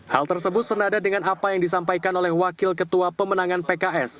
hal tersebut senada dengan apa yang disampaikan oleh wakil ketua pemenangan pks